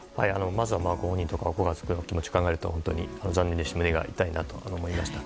まずは、ご本人やご家族の気持ちを考えると本当に残念ですし胸が痛いなと思いました。